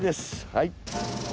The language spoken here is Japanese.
はい。